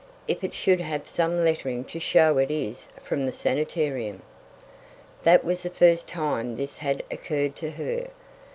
"If it should have some lettering to show it is from the sanitarium!" That was the first time this had occurred to her.